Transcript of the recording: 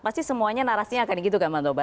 pasti semuanya narasinya akan gitu kan bang toba